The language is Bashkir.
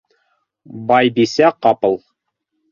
Байбисә ҡапыл: